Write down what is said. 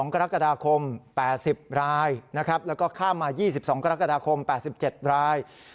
กรกฎาคม๘๐รายนะครับแล้วก็ข้ามมา๒๒กรกฎาคม๘๗ราย